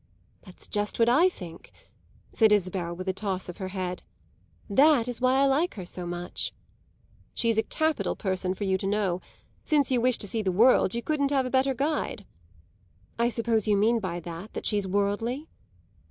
"That's just what I think!" said Isabel with a toss of her head. "That is why I like her so much." "She's a capital person for you to know. Since you wish to see the world you couldn't have a better guide." "I suppose you mean by that that she's worldly?"